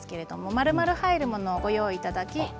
まるまる入るものをご用意していただきまして。